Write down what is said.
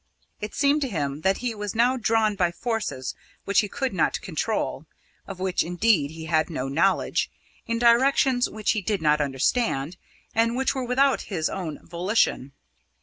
It seemed to him that he was now drawn by forces which he could not control of which, indeed, he had no knowledge in directions which he did not understand, and which were without his own volition.